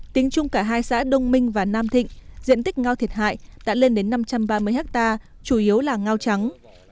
tính chung cả hai xã đông minh và nam thịnh diện tích ngao thiệt hại đã lên đến năm trăm ba mươi ha chủ yếu là ngao trắng